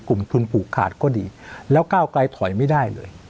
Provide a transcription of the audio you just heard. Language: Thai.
กลุ่มทุนผูกขาดก็ดีแล้วก้าวไกลถอยไม่ได้เลย